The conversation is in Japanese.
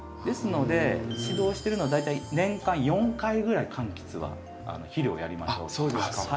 ですので指導してるのは大体年間４回ぐらい柑橘は肥料をやりましょうと。